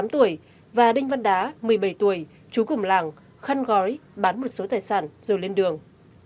tám tuổi và đinh văn đá một mươi bảy tuổi chú cùng làng khăn gói bán một số tài sản rồi lên đường